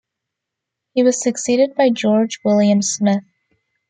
He was succeeded by George William Smith.